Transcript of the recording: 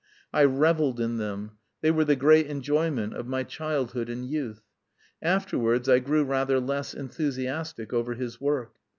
I revelled in them; they were the great enjoyment of my childhood and youth. Afterwards I grew rather less enthusiastic over his work.